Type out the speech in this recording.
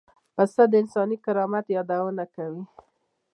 پسه د انساني کرامت یادونه کوي.